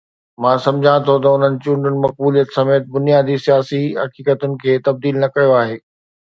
مان سمجهان ٿو ته انهن چونڊن مقبوليت سميت بنيادي سياسي حقيقتن کي تبديل نه ڪيو آهي.